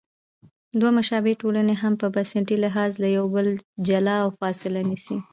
دوه مشابه ټولنې هم په بنسټي لحاظ له یو بله جلا او فاصله نیسي.